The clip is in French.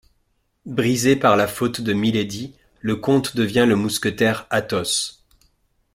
Brisé par la faute de Milady, le comte devient le mousquetaire Athos.